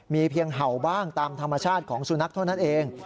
มีเพียงเห่าบ้างตามธรรมชาติของสุนัขเท่านั้นเอง